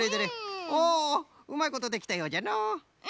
おうまいことできたようじゃのう。